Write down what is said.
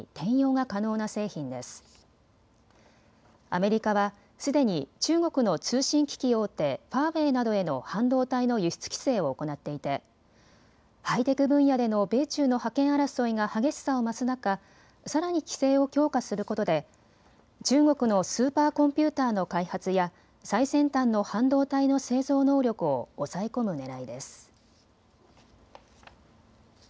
アメリカはすでに中国の通信機器大手、ファーウェイなどへの半導体の輸出規制を行っていてハイテク分野での米中の覇権争いが激しさを増す中、さらに規制を強化することで中国のスーパーコンピューターの開発や最先端の半導体の製造能力を抑え込むねらいです。